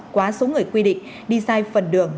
quá số người quy định đi sai phần đường